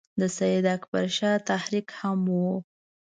د سید اکبر شاه تحریک هم وو.